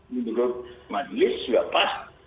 menurut majelis sudah pas